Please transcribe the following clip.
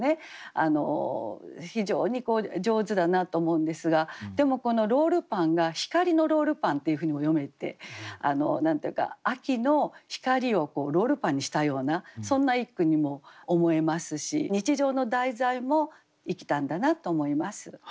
非常に上手だなと思うんですがでもこの「ロールパン」が「光のロールパン」っていうふうにも読めて何て言うか秋の光をこうロールパンにしたようなそんな一句にも思えますし日常の題材も生きたんだなと思います。